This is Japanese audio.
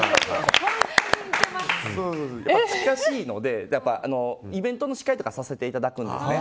親しいので、イベントの司会とかさせていただくんですね。